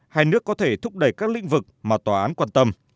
hai nước có thể thúc đẩy các lĩnh vực mà tòa án quan tâm